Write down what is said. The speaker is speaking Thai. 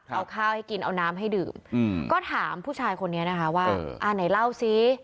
เอาข้าวให้กินเอาน้ำให้ดื่มก็ถามผู้ชายคนนี้นะคะว่าอ่าไหนเล่าสิ